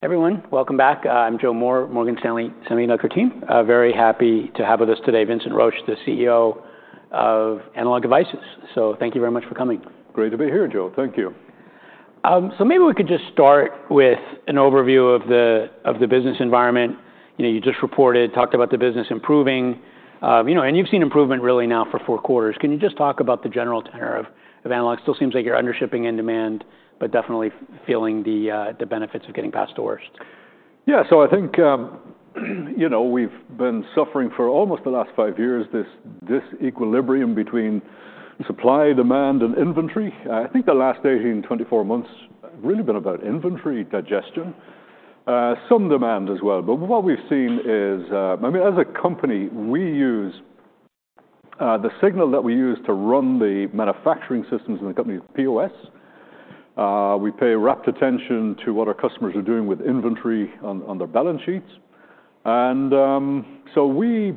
Everyone, welcome back. I'm Joe Moore, Morgan Stanley Semiconductor Team. Very happy to have with us today, Vincent Roche, the CEO of Analog Devices. So thank you very much for coming. Great to be here, Joe. Thank you. So maybe we could just start with an overview of the business environment. You just reported, talked about the business improving, and you've seen improvement really now for four quarters. Can you just talk about the general tenor of analog? Still seems like you're undershipping in demand, but definitely feeling the benefits of getting past the worst. Yeah. So I think we've been suffering for almost the last five years, this equilibrium between supply, demand, and inventory. I think the last 18-24 months have really been about inventory digestion. Some demand as well. But what we've seen is, I mean, as a company, we use the signal that we use to run the manufacturing systems in the company's POS. We pay rapt attention to what our customers are doing with inventory on their balance sheets. And so we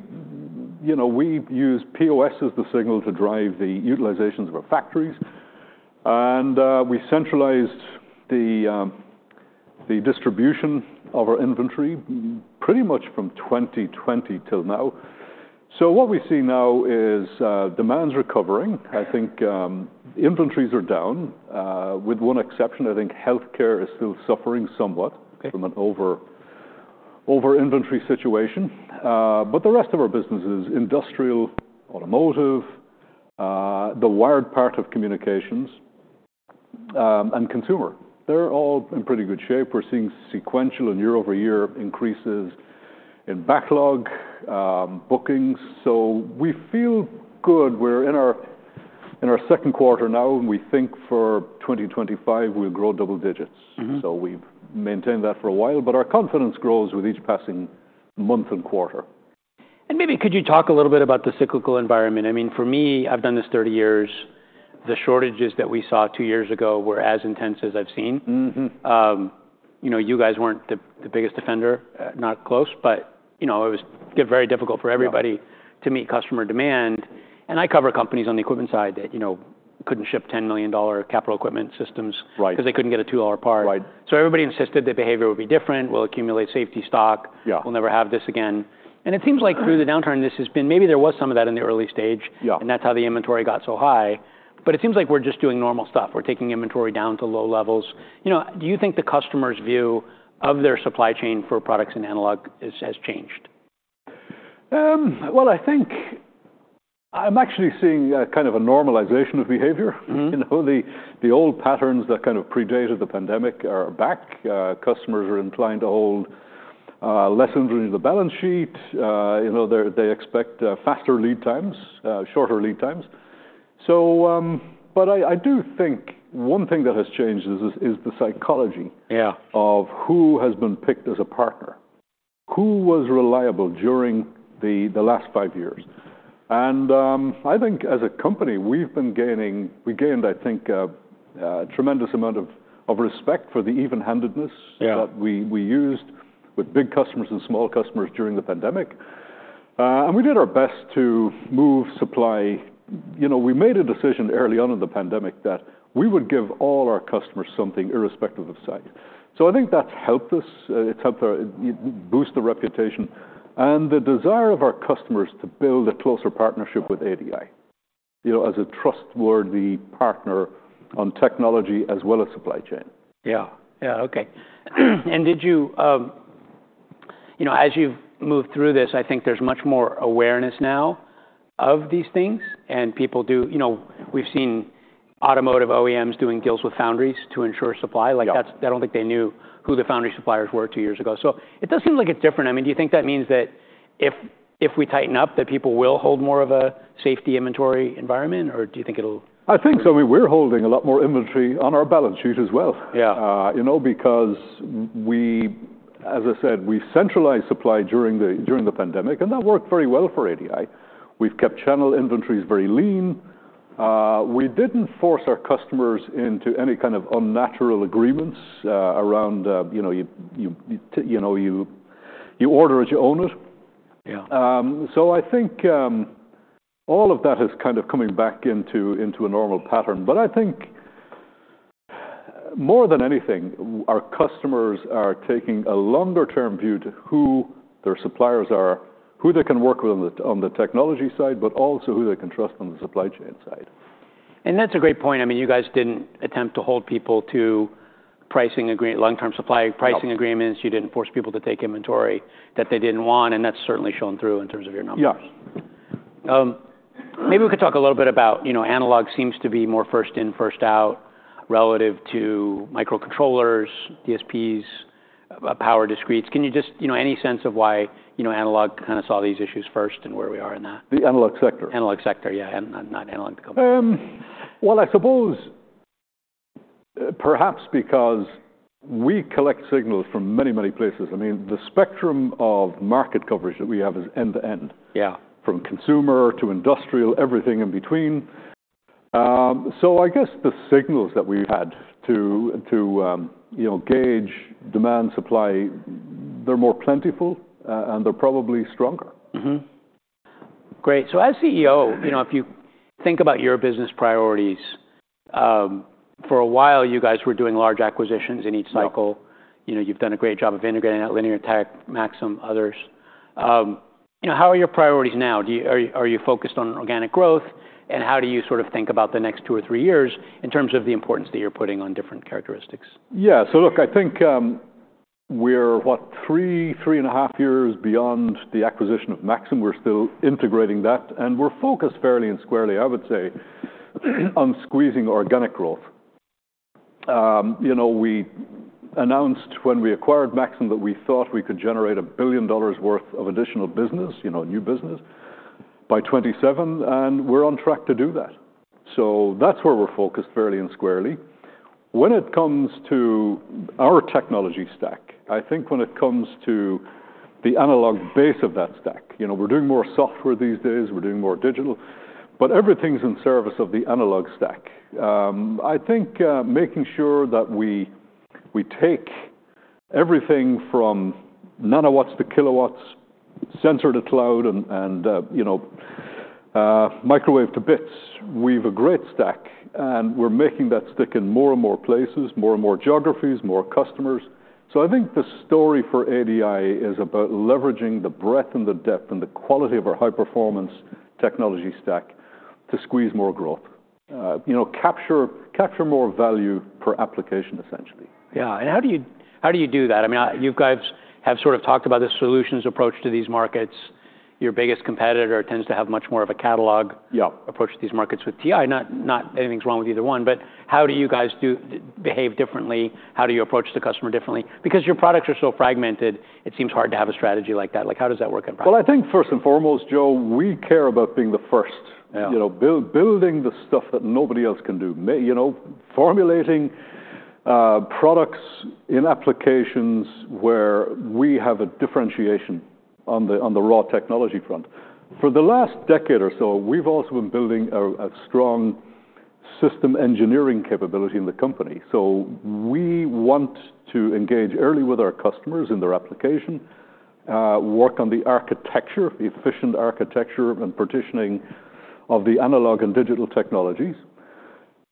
use POS as the signal to drive the utilizations of our factories. And we centralized the distribution of our inventory pretty much from 2020 till now. So what we see now is demand's recovering. I think inventories are down, with one exception. I think healthcare is still suffering somewhat from an over-inventory situation. But the rest of our business is industrial, automotive, the wired part of communications, and consumer. They're all in pretty good shape. We're seeing sequential and year-over-year increases in backlog bookings. So we feel good. We're in our second quarter now, and we think for 2025, we'll grow double digits. So we've maintained that for a while, but our confidence grows with each passing month and quarter. Maybe could you talk a little bit about the cyclical environment? I mean, for me, I've done this 30 years. The shortages that we saw two years ago were as intense as I've seen. You guys weren't the biggest offender, not close, but it was very difficult for everybody to meet customer demand. I cover companies on the equipment side that couldn't ship $10 million capital equipment systems because they couldn't get a $2 part. Everybody insisted their behavior would be different. We'll accumulate safety stock. We'll never have this again. It seems like through the downturn, this has been maybe there was some of that in the early stage, and that's how the inventory got so high. It seems like we're just doing normal stuff. We're taking inventory down to low levels. Do you think the customer's view of their supply chain for products in Analog has changed? I think I'm actually seeing kind of a normalization of behavior. The old patterns that kind of predated the pandemic are back. Customers are inclined to hold less inventory in the balance sheet. They expect faster lead times, shorter lead times. But I do think one thing that has changed is the psychology of who has been picked as a partner, who was reliable during the last five years. And I think as a company, we've been gaining, we gained, I think, a tremendous amount of respect for the even-handedness that we used with big customers and small customers during the pandemic. And we did our best to move supply. We made a decision early on in the pandemic that we would give all our customers something irrespective of size. So I think that's helped us. It's helped boost the reputation and the desire of our customers to build a closer partnership with ADI as a trustworthy partner on technology as well as supply chain. Yeah. Yeah. Okay. And as you've moved through this, I think there's much more awareness now of these things. And people do, we've seen automotive OEMs doing deals with foundries to ensure supply. I don't think they knew who the foundry suppliers were two years ago. So it does seem like it's different. I mean, do you think that means that if we tighten up, that people will hold more of a safety inventory environment, or do you think it'll? I think so. I mean, we're holding a lot more inventory on our balance sheet as well because, as I said, we centralized supply during the pandemic, and that worked very well for ADI. We've kept channel inventories very lean. We didn't force our customers into any kind of unnatural agreements around, you order it, you own it. So I think all of that is kind of coming back into a normal pattern. But I think more than anything, our customers are taking a longer-term view to who their suppliers are, who they can work with on the technology side, but also who they can trust on the supply chain side. And that's a great point. I mean, you guys didn't attempt to hold people to pricing long-term supply pricing agreements. You didn't force people to take inventory that they didn't want, and that's certainly shown through in terms of your numbers. Yes. Maybe we could talk a little bit about Analog seems to be more first in, first out relative to microcontrollers, DSPs, power discretes. Can you just any sense of why Analog kind of saw these issues first and where we are in that? The analog sector. analog sector, yeah, and not analogous to companies. I suppose perhaps because we collect signals from many, many places. I mean, the spectrum of market coverage that we have is end to end, from consumer to industrial, everything in between. So I guess the signals that we've had to gauge demand supply, they're more plentiful, and they're probably stronger. Great. So as CEO, if you think about your business priorities, for a while, you guys were doing large acquisitions in each cycle. You've done a great job of integrating that Linear Tech, Maxim, others. How are your priorities now? Are you focused on organic growth, and how do you sort of think about the next two or three years in terms of the importance that you're putting on different characteristics? Yeah. So look, I think we're what, three, three and a half years beyond the acquisition of Maxim. We're still integrating that, and we're focused fairly and squarely, I would say, on squeezing organic growth. We announced when we acquired Maxim that we thought we could generate $1 billion worth of additional business, new business, by 2027, and we're on track to do that. So that's where we're focused fairly and squarely. When it comes to our technology stack, I think when it comes to the Analog base of that stack, we're doing more software these days. We're doing more digital, but everything's in service of the Analog stack. I think making sure that we take everything from Nanowatts to Kilowatts, Sensor to Cloud, and Microwave to Bits, we've a great stack, and we're making that stick in more and more places, more and more geographies, more customers. So I think the story for ADI is about leveraging the breadth and the depth and the quality of our high-performance technology stack to squeeze more growth, capture more value per application, essentially. Yeah. And how do you do that? I mean, you guys have sort of talked about the solutions approach to these markets. Your biggest competitor tends to have much more of a catalog approach to these markets with TI. Not anything's wrong with either one, but how do you guys behave differently? How do you approach the customer differently? Because your products are so fragmented, it seems hard to have a strategy like that. How does that work in practice? I think first and foremost, Joe, we care about being the first, building the stuff that nobody else can do, formulating products in applications where we have a differentiation on the raw technology front. For the last decade or so, we've also been building a strong system engineering capability in the company. So we want to engage early with our customers in their application, work on the architecture, efficient architecture and partitioning of the analog and digital technologies.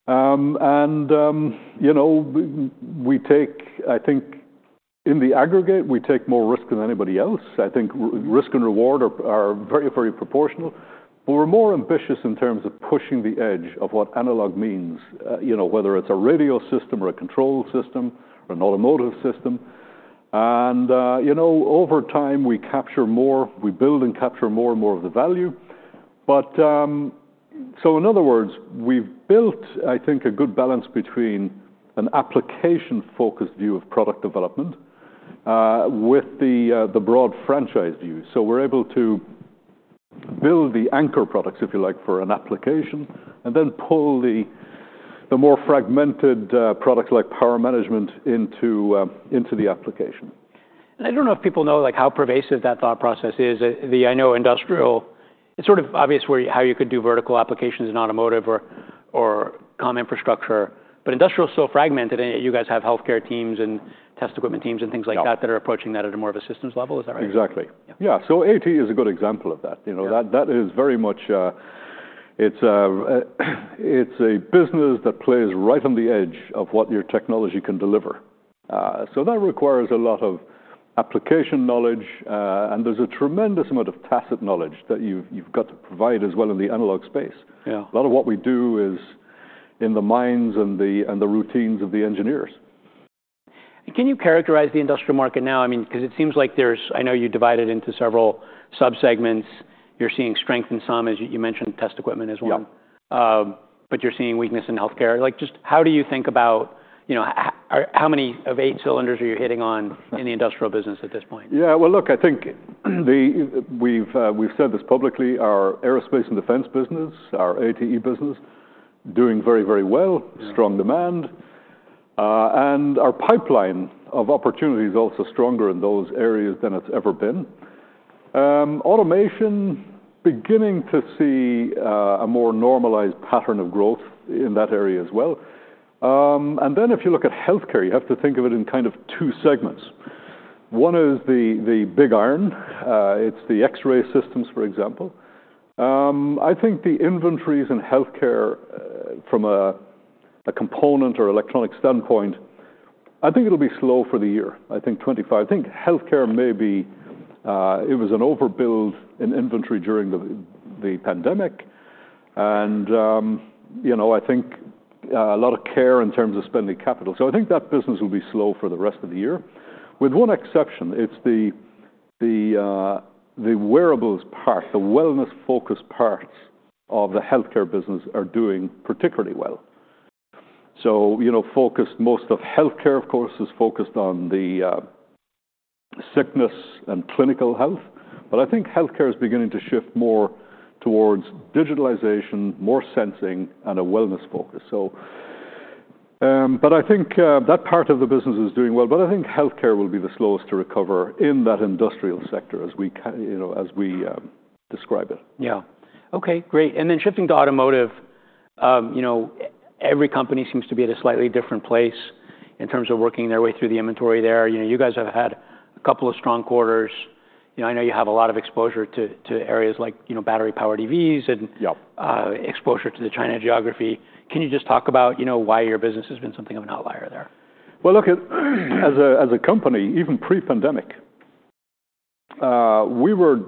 And we take, I think in the aggregate, we take more risk than anybody else. I think risk and reward are very, very proportional, but we're more ambitious in terms of pushing the edge of what Analog means, whether it's a radio system or a control system or an automotive system. And over time, we capture more. We build and capture more and more of the value. So in other words, we've built, I think, a good balance between an application-focused view of product development with the broad franchise view. So we're able to build the anchor products, if you like, for an application and then pull the more fragmented products like power management into the application. I don't know if people know how pervasive that thought process is. I know industrial, it's sort of obvious how you could do vertical applications in automotive or comm infrastructure, but industrial is still fragmented. You guys have healthcare teams and test equipment teams and things like that that are approaching that at a more of a systems level. Is that right? Exactly. Yeah. So ATE is a good example of that. That is very much. It's a business that plays right on the edge of what your technology can deliver. So that requires a lot of application knowledge, and there's a tremendous amount of tacit knowledge that you've got to provide as well in the Analog space. A lot of what we do is in the minds and the routines of the engineers. Can you characterize the industrial market now? I mean, because it seems like there's, I know you divide it into several subsegments. You're seeing strength in some, as you mentioned, test equipment as well. But you're seeing weakness in healthcare. Just how do you think about how many of eight cylinders are you hitting on in the industrial business at this point? Yeah. Well, look, I think we've said this publicly. Our aerospace and defense business, our ATE business, doing very, very well, strong demand. And our pipeline of opportunity is also stronger in those areas than it's ever been. Automation, beginning to see a more normalized pattern of growth in that area as well. And then if you look at healthcare, you have to think of it in kind of two segments. One is the big iron. It's the X-ray systems, for example. I think the inventories in healthcare from a component or electronic standpoint, I think it'll be slow for the year, I think 2025. I think healthcare maybe it was an overbuild in inventory during the pandemic. And I think a lot of care in terms of spending capital. So I think that business will be slow for the rest of the year with one exception. It's the wearables part, the wellness-focused parts of the healthcare business are doing particularly well. So, most of healthcare, of course, is focused on the sickness and clinical health. But I think healthcare is beginning to shift more towards digitalization, more sensing, and a wellness focus. But I think that part of the business is doing well. But I think healthcare will be the slowest to recover in that industrial sector as we describe it. Yeah. Okay. Great. And then shifting to automotive, every company seems to be at a slightly different place in terms of working their way through the inventory there. You guys have had a couple of strong quarters. I know you have a lot of exposure to areas like battery-powered EVs and exposure to the China geography. Can you just talk about why your business has been something of an outlier there? Well, look, as a company, even pre-pandemic, we were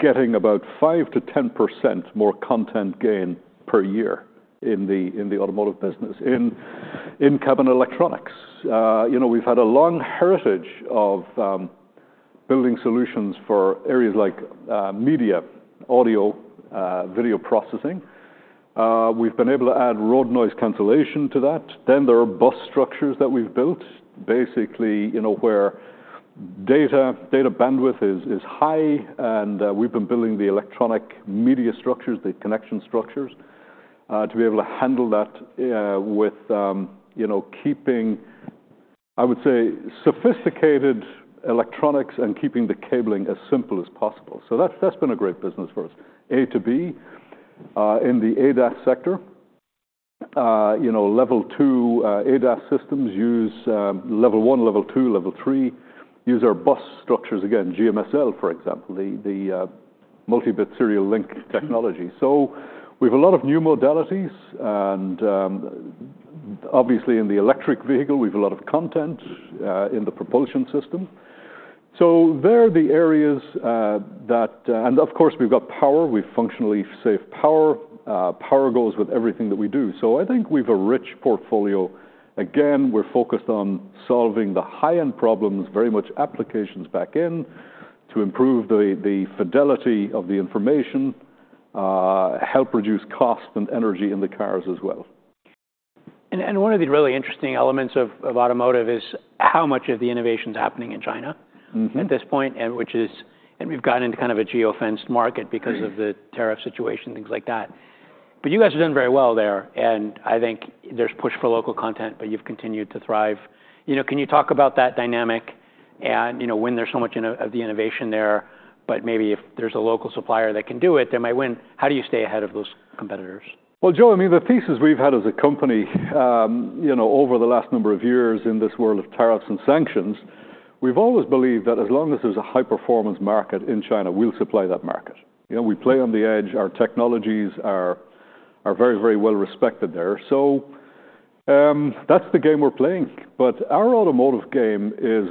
getting about 5%-10% more content gain per year in the automotive business, in cabin electronics. We've had a long heritage of building solutions for areas like media, audio, video processing. We've been able to add road noise cancellation to that. Then there are bus structures that we've built, basically where data bandwidth is high, and we've been building the electronic media structures, the connection structures to be able to handle that with keeping, I would say, sophisticated electronics and keeping the cabling as simple as possible. So that's been a great business for us. A2B in the ADAS sector, level two ADAS systems use Level 1, Level 2, Level 3, use our bus structures, again, GMSL, for example, the multi-bit serial link technology. So we've a lot of new modalities. Obviously, in the electric vehicle, we've a lot of content in the propulsion system. So they're the areas that, and of course, we've got power. We functionally safe power. Power goes with everything that we do. So I think we've a rich portfolio. Again, we're focused on solving the high-end problems, very much applications back in to improve the fidelity of the information, help reduce cost and energy in the cars as well. And one of the really interesting elements of automotive is how much of the innovation is happening in China at this point, which is, and we've gotten into kind of a geofenced market because of the tariff situation, things like that. But you guys have done very well there, and I think there's push for local content, but you've continued to thrive. Can you talk about that dynamic and when there's so much of the innovation there, but maybe if there's a local supplier that can do it, they might win, how do you stay ahead of those competitors? Joe, I mean, the thesis we've had as a company over the last number of years in this world of tariffs and sanctions, we've always believed that as long as there's a high-performance market in China, we'll supply that market. We play on the edge. Our technologies are very, very well respected there. So that's the game we're playing. But our automotive game is,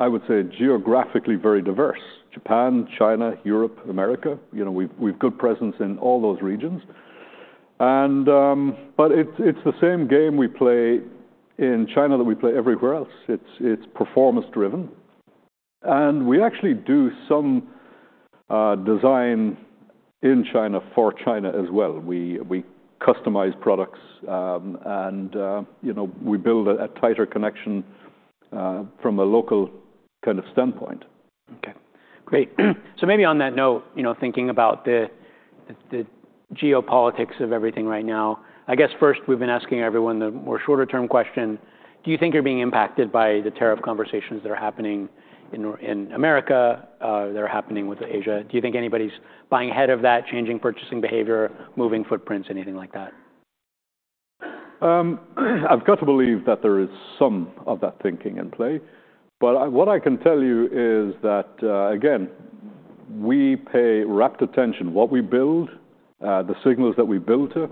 I would say, geographically very diverse: Japan, China, Europe, America. We've good presence in all those regions. But it's the same game we play in China that we play everywhere else. It's performance-driven. And we actually do some design in China for China as well. We customize products, and we build a tighter connection from a local kind of standpoint. Okay. Great. So maybe on that note, thinking about the geopolitics of everything right now, I guess first we've been asking everyone the more shorter-term question. Do you think you're being impacted by the tariff conversations that are happening in America, that are happening with Asia? Do you think anybody's buying ahead of that, changing purchasing behavior, moving footprints, anything like that? I've got to believe that there is some of that thinking in play. But what I can tell you is that, again, we pay rapt attention to what we build, the signals that we build to.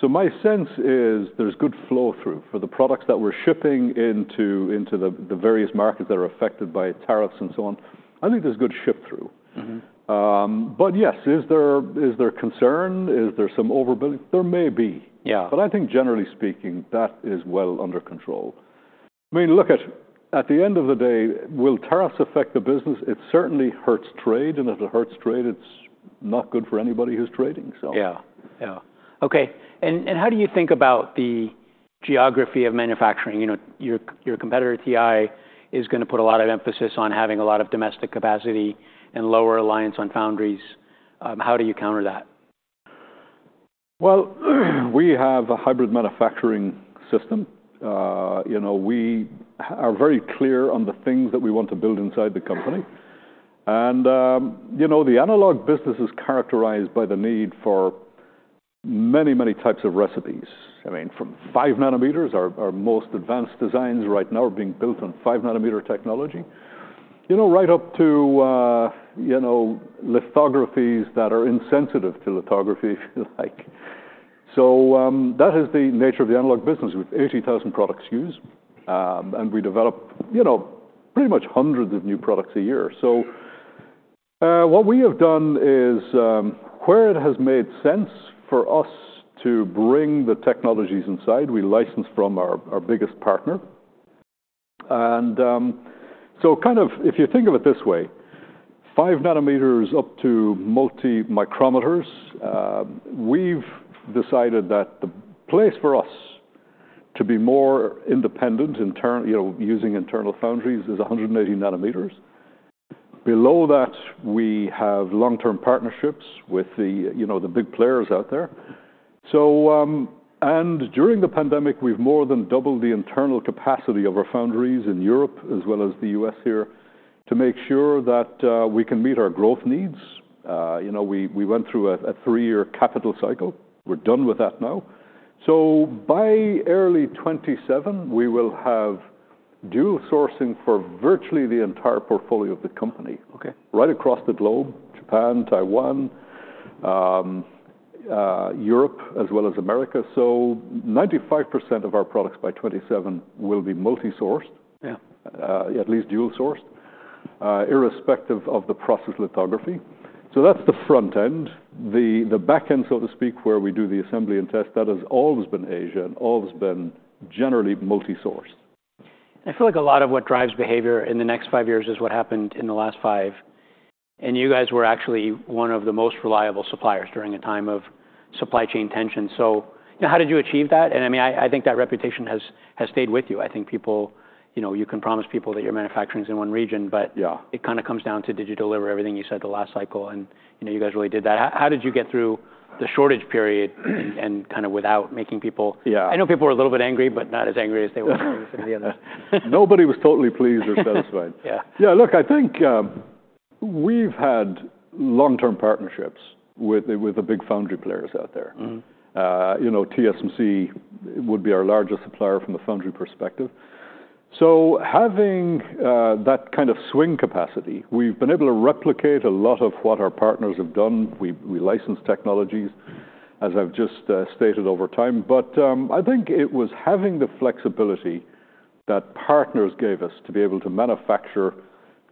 So my sense is there's good flow-through for the products that we're shipping into the various markets that are affected by tariffs and so on. I think there's good ship through. But yes, is there concern? Is there some overbuilding? There may be. But I think generally speaking, that is well under control. I mean, look at the end of the day, will tariffs affect the business? It certainly hurts trade. And if it hurts trade, it's not good for anybody who's trading, so. How do you think about the geography of manufacturing? Your competitor, TI, is going to put a lot of emphasis on having a lot of domestic capacity and lower reliance on foundries. How do you counter that? We have a hybrid manufacturing system. We are very clear on the things that we want to build inside the company. And the Analog business is characterized by the need for many, many types of recipes. I mean, from five nanometers, our most advanced designs right now are being built on five-nanometer technology, right up to lithographies that are insensitive to lithography, if you like. So that is the nature of the Analog business. We have 80,000 products used, and we develop pretty much hundreds of new products a year. So what we have done is where it has made sense for us to bring the technologies inside, we license from our biggest partner. And so kind of if you think of it this way, five nanometers up to multi-micrometers, we've decided that the place for us to be more independent using internal foundries is 180 nanometers. Below that, we have long-term partnerships with the big players out there. And during the pandemic, we've more than doubled the internal capacity of our foundries in Europe as well as the US here to make sure that we can meet our growth needs. We went through a three-year capital cycle. We're done with that now. So by early 2027, we will have dual sourcing for virtually the entire portfolio of the company right across the globe: Japan, Taiwan, Europe, as well as America. So 95% of our products by 2027 will be multi-sourced, at least dual-sourced, irrespective of the process lithography. So that's the front end. The back end, so to speak, where we do the assembly and test, that has always been Asia and always been generally multi-sourced. I feel like a lot of what drives behavior in the next five years is what happened in the last five. And you guys were actually one of the most reliable suppliers during a time of supply chain tension. So how did you achieve that? And I mean, I think that reputation has stayed with you. I think you can promise people that your manufacturing is in one region, but it kind of comes down to did you deliver everything you said the last cycle, and you guys really did that. How did you get through the shortage period and kind of without making people? I know people were a little bit angry, but not as angry as they were with some of the others. Nobody was totally pleased or satisfied. Yeah. Look, I think we've had long-term partnerships with the big foundry players out there. TSMC would be our largest supplier from the foundry perspective. So having that kind of swing capacity, we've been able to replicate a lot of what our partners have done. We license technologies, as I've just stated over time. But I think it was having the flexibility that partners gave us to be able to manufacture.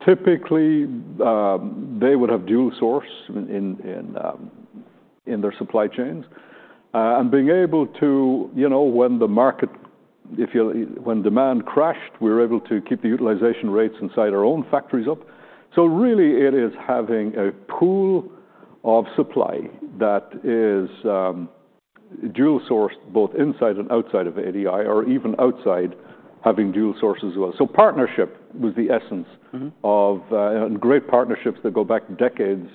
Typically, they would have dual source in their supply chains and being able to, when the market, when demand crashed, we were able to keep the utilization rates inside our own factories up. So really, it is having a pool of supply that is dual-sourced both inside and outside of ADI or even outside having dual sources as well. So partnership was the essence of great partnerships that go back decades.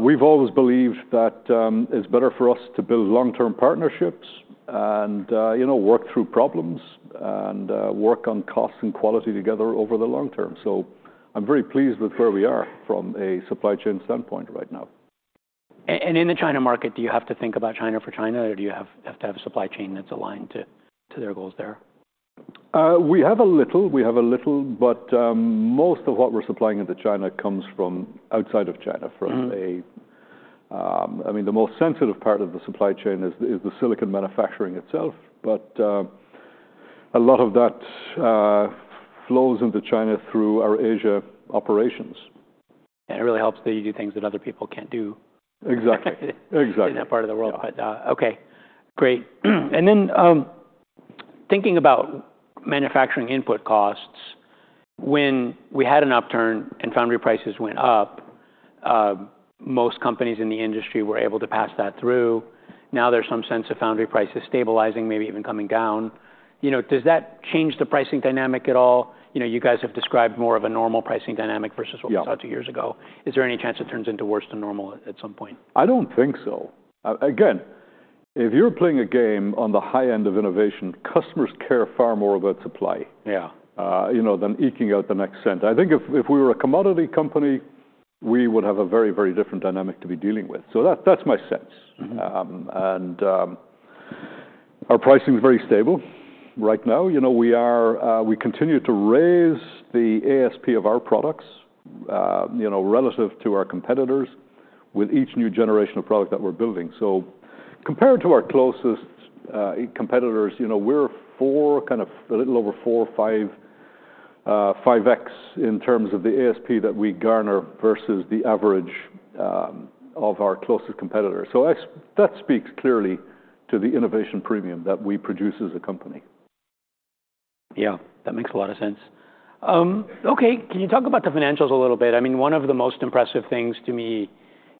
We've always believed that it's better for us to build long-term partnerships and work through problems and work on cost and quality together over the long term. So I'm very pleased with where we are from a supply chain standpoint right now. In the China market, do you have to think about China for China, or do you have to have a supply chain that's aligned to their goals there? We have a little. But most of what we're supplying into China comes from outside of China. I mean, the most sensitive part of the supply chain is the silicon manufacturing itself. But a lot of that flows into China through our Asia operations. It really helps that you do things that other people can't do. Exactly. Exactly. In that part of the world. Okay. Great. And then thinking about manufacturing input costs, when we had an upturn and foundry prices went up, most companies in the industry were able to pass that through. Now there's some sense of foundry prices stabilizing, maybe even coming down. Does that change the pricing dynamic at all? You guys have described more of a normal pricing dynamic versus what we saw two years ago. Is there any chance it turns into worse than normal at some point? I don't think so. Again, if you're playing a game on the high end of innovation, customers care far more about supply than eking out the next cent. I think if we were a commodity company, we would have a very, very different dynamic to be dealing with. So that's my sense. And our pricing is very stable right now. We continue to raise the ASP of our products relative to our competitors with each new generation of product that we're building. So compared to our closest competitors, we're kind of a little over 4.55x in terms of the ASP that we garner versus the average of our closest competitor. So that speaks clearly to the innovation premium that we produce as a company. Yeah. That makes a lot of sense. Okay. Can you talk about the financials a little bit? I mean, one of the most impressive things to me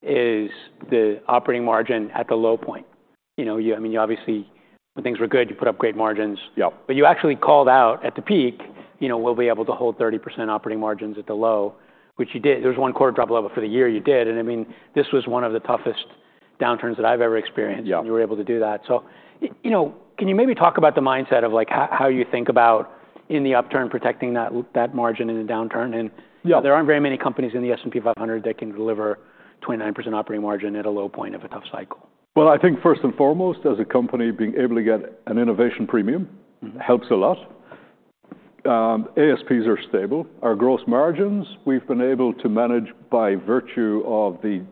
is the operating margin at the low point. I mean, obviously, when things were good, you put up great margins. But you actually called out at the peak, "We'll be able to hold 30% operating margins at the low," which you did. There was one quarter drop level for the year you did. And I mean, this was one of the toughest downturns that I've ever experienced. You were able to do that. So can you maybe talk about the mindset of how you think about in the upturn protecting that margin in a downturn? And there aren't very many companies in the S&P 500 that can deliver 29% operating margin at a low point of a tough cycle. Well, I think first and foremost, as a company, being able to get an innovation premium helps a lot. ASPs are stable. Our gross margins, we've been able to manage by virtue of the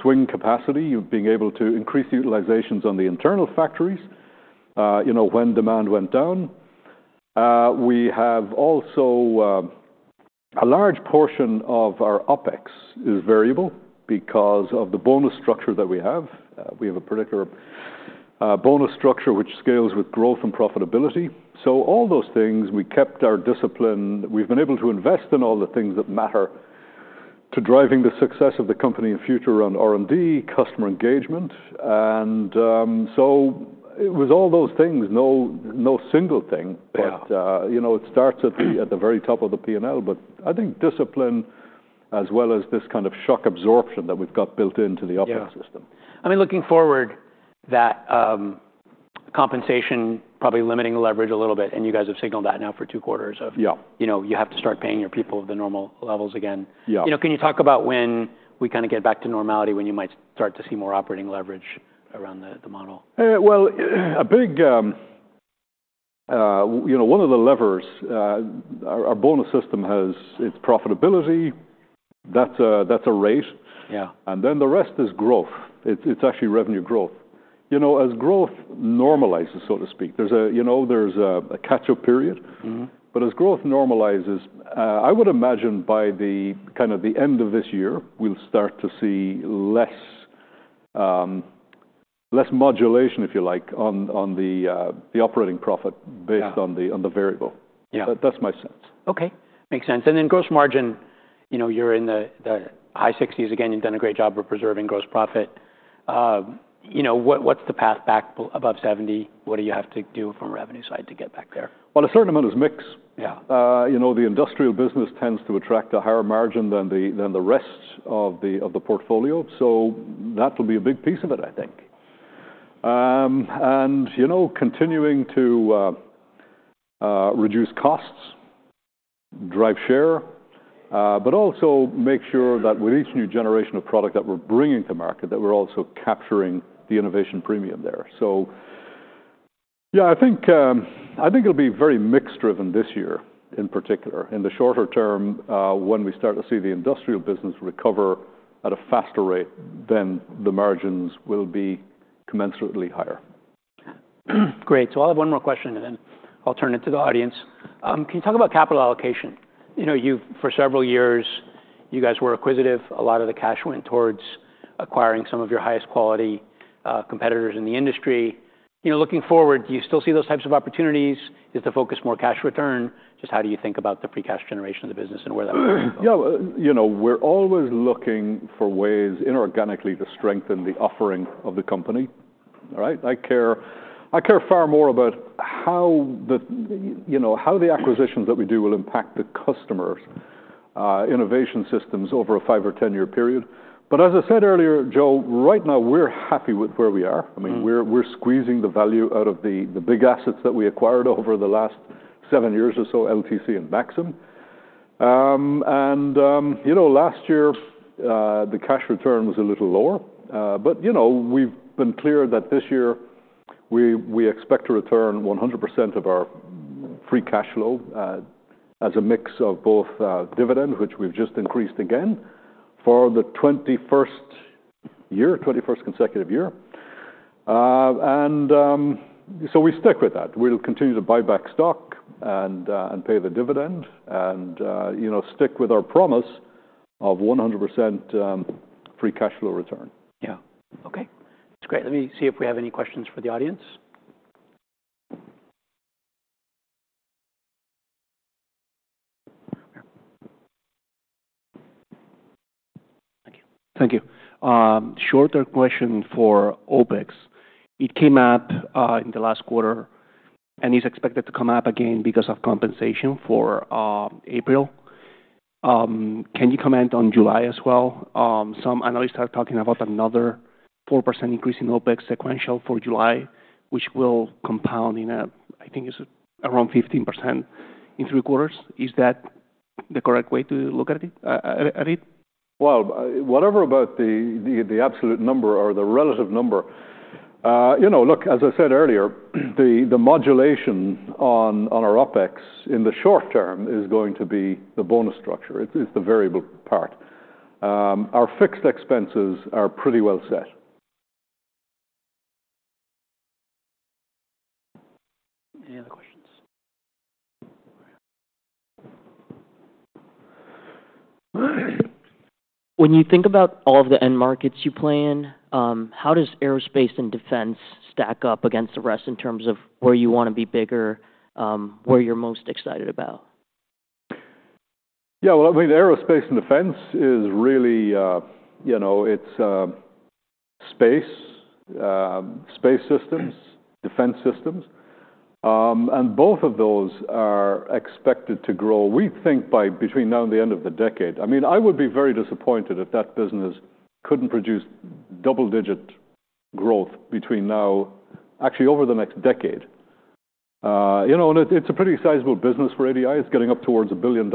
swing capacity, being able to increase the utilizations on the internal factories when demand went down. We have also a large portion of our OPEX is variable because of the bonus structure that we have. We have a particular bonus structure which scales with growth and profitability. So all those things, we kept our discipline. We've been able to invest in all the things that matter to driving the success of the company in future around R&D, customer engagement, and so it was all those things, no single thing, but it starts at the very top of the P&L. But I think discipline as well as this kind of shock absorption that we've got built into the OPEX system. I mean, looking forward, that compensation probably limiting leverage a little bit, and you guys have signaled that now for two quarters of you have to start paying your people the normal levels again. Can you talk about when we kind of get back to normality, when you might start to see more operating leverage around the model? One of the levers our bonus system has is profitability. That's a rate. Then the rest is growth. It's actually revenue growth. As growth normalizes, so to speak, there's a catch-up period, but as growth normalizes, I would imagine by the kind of the end of this year, we'll start to see less modulation, if you like, on the operating profit based on the variable. That's my sense. Okay. Makes sense. And then gross margin, you're in the high 60s. Again, you've done a great job of preserving gross profit. What's the path back above 70? What do you have to do from revenue side to get back there? A certain amount is mixed. The industrial business tends to attract a higher margin than the rest of the portfolio. That will be a big piece of it, I think. Continuing to reduce costs, drive share, but also make sure that with each new generation of product that we're bringing to market, that we're also capturing the innovation premium there. Yeah, I think it'll be very mixed-driven this year in particular. In the shorter term, when we start to see the industrial business recover at a faster rate, then the margins will be commensurately higher. Great. So I'll have one more question, and then I'll turn it to the audience. Can you talk about capital allocation? For several years, you guys were acquisitive. A lot of the cash went towards acquiring some of your highest quality competitors in the industry. Looking forward, do you still see those types of opportunities? Is the focus more cash return? Just how do you think about the free cash generation of the business and where that might go? Yeah. We're always looking for ways inorganically to strengthen the offering of the company. I care far more about how the acquisitions that we do will impact the customers' innovation systems over a five or 10-year period. But as I said earlier, Joe, right now, we're happy with where we are. I mean, we're squeezing the value out of the big assets that we acquired over the last seven years or so, LTC and Maxim. And last year, the cash return was a little lower. But we've been clear that this year, we expect to return 100% of our free cash flow as a mix of both dividend, which we've just increased again for the 21st year, 21st consecutive year. And so we stick with that. We'll continue to buy back stock and pay the dividend and stick with our promise of 100% free cash flow return. Yeah. Okay. That's great. Let me see if we have any questions for the audience. Thank you. Thank you. Shorter question for OPEX. It came up in the last quarter and is expected to come up again because of compensation for April. Can you comment on July as well? Some analysts are talking about another 4% increase in OPEX sequential for July, which will compound in, I think, around 15% in three quarters. Is that the correct way to look at it? Whatever about the absolute number or the relative number? Look, as I said earlier, the modulation on our OPEX in the short term is going to be the bonus structure. It's the variable part. Our fixed expenses are pretty well set. Any other questions? When you think about all of the end markets you play in, how does aerospace and defense stack up against the rest in terms of where you want to be bigger, where you're most excited about? Yeah. Well, I mean, aerospace and defense is really it's space, space systems, defense systems. Both of those are expected to grow, we think, between now and the end of the decade. I mean, I would be very disappointed if that business couldn't produce double-digit growth between now, actually, over the next decade. It's a pretty sizable business for ADI. It's getting up towards $1 billion.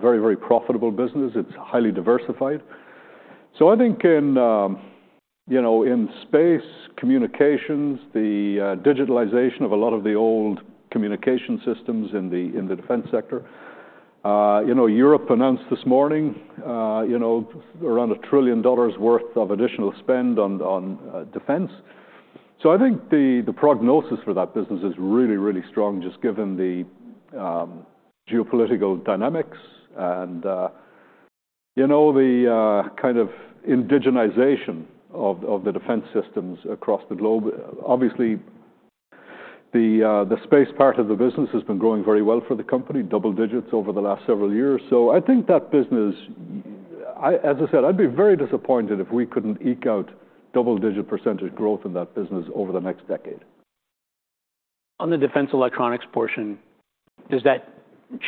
Very, very profitable business. It's highly diversified. I think in space, communications, the digitalization of a lot of the old communication systems in the defense sector. Europe announced this morning around $1 trillion worth of additional spend on defense. The prognosis for that business is really, really strong just given the geopolitical dynamics and the kind of indigenization of the defense systems across the globe. Obviously, the space part of the business has been growing very well for the company, double digits over the last several years. So I think that business, as I said, I'd be very disappointed if we couldn't eke out double-digit % growth in that business over the next decade. On the defense electronics portion, does that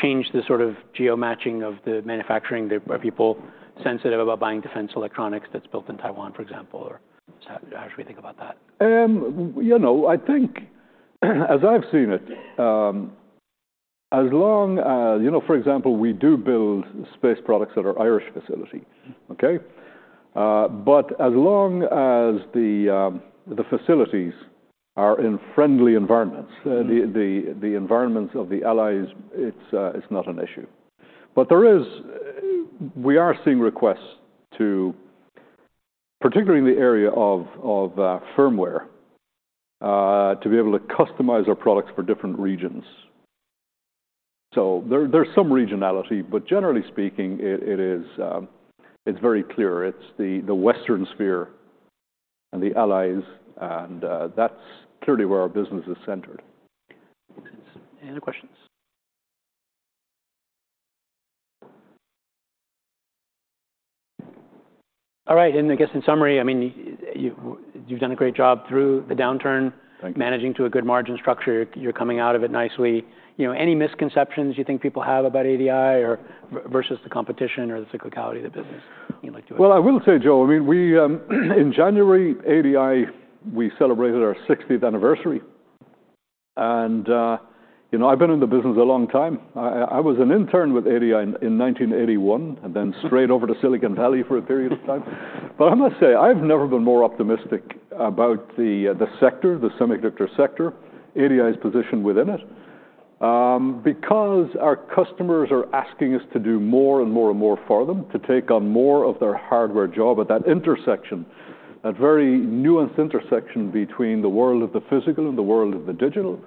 change the sort of geo-matching of the manufacturing? Are people sensitive about buying defense electronics that's built in Taiwan, for example? Or how should we think about that? I think, as I've seen it, as long as, for example, we do build space products at our Irish facility, okay? But as long as the facilities are in friendly environments, the environments of the allies, it's not an issue. But we are seeing requests to, particularly in the area of firmware, to be able to customize our products for different regions. So there's some regionality. But generally speaking, it's very clear. It's the Western sphere and the allies. And that's clearly where our business is centered. Any other questions? All right. And I guess in summary, I mean, you've done a great job through the downturn managing to a good margin structure. You're coming out of it nicely. Any misconceptions you think people have about ADI versus the competition or the cyclicality of the business? I will say, Joe, I mean, in January, ADI, we celebrated our 60th anniversary. I've been in the business a long time. I was an intern with ADI in 1981 and then straight over to Silicon Valley for a period of time. I must say, I've never been more optimistic about the semiconductor sector, ADI's position within it, because our customers are asking us to do more and more and more for them, to take on more of their hardware job at that intersection, that very nuanced intersection between the world of the physical and the world of the digital.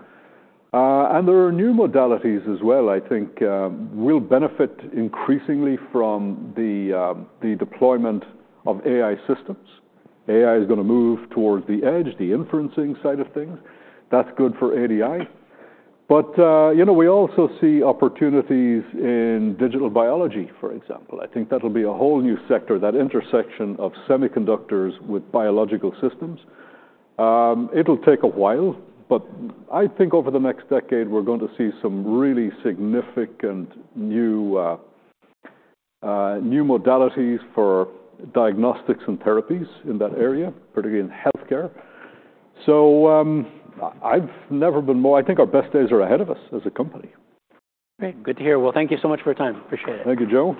There are new modalities as well, I think, will benefit increasingly from the deployment of AI systems. AI is going to move towards the edge, the inferencing side of things. That's good for ADI. We also see opportunities in digital biology, for example. I think that'll be a whole new sector, that intersection of semiconductors with biological systems, it'll take a while, but I think over the next decade, we're going to see some really significant new modalities for diagnostics and therapies in that area, particularly in healthcare, so I've never been more, I think our best days are ahead of us as a company. Great. Good to hear. Well, thank you so much for your time. Appreciate it. Thank you, Joe.